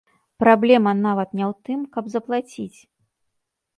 Праблема нават не ў тым, каб заплаціць.